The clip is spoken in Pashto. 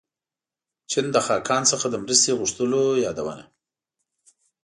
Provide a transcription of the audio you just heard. چین د خاقان څخه د مرستې غوښتلو یادونه.